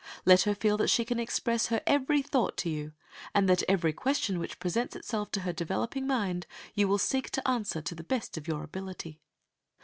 Let her feel that she can express her every thought to you, and that every question which presents itself to her developing mind, you will seek to answer to the best of your ability.